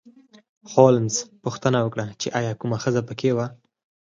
هولمز پوښتنه وکړه چې ایا کومه ښځه په کې وه